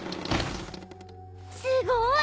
すごーい！